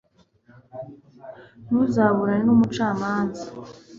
ntuzaburane n'umucamanza